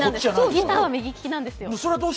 ギターは右利きなんですよ。